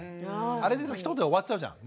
あれでひと言で終わっちゃうじゃん。